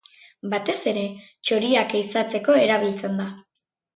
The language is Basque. Batez ere, txoriak ehizatzeko erabiltzen da.